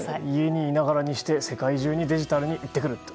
家にいながらにして、世界中にデジタルに行ってくる。